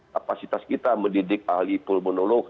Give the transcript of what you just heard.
kapasitas kita mendidik ahli pulmonolog